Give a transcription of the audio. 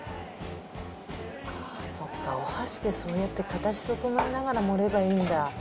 そっかお箸でそうやって形整えながら盛ればいいんだ。